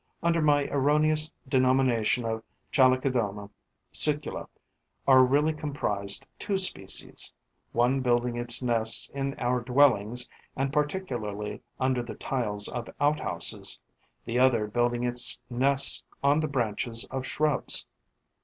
Under my erroneous denomination of Chalicodoma sicula are really comprised two species, one building its nests in our dwellings and particularly under the tiles of outhouses, the other building its nests on the branches of shrubs.